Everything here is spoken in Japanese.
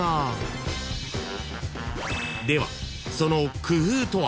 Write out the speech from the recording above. ［ではその工夫とは？］